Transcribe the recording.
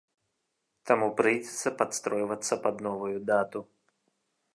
Таму прыйдзецца падстройвацца пад новую дату.